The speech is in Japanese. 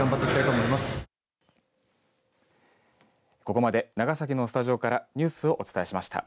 ここまで長崎のスタジオからニュースをお伝えしました。